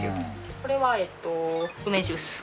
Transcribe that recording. これはえっと梅ジュース。